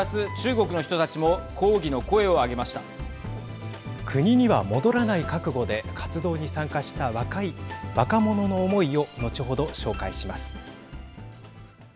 国には戻らない覚悟で活動に参加した若者の思いを後ほど紹介します。